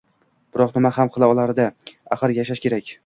Biroq nima ham qila olardi, axir, yashash kerak